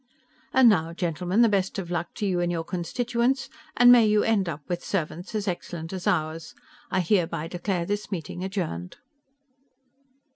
"And now, gentlemen, the best of luck to you and your constituents, and may you end up with servants as excellent as ours. I hereby declare this meeting adjourned."